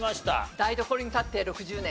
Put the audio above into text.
台所に立って６０年。